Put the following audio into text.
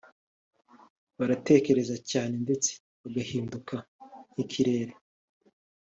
Baratekereza cyane ndetse bagahinduka nk’ikirere